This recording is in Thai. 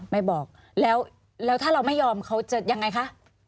ไม่บอกแล้วถ้าเราไม่ยอมเขาจะยังไงคะ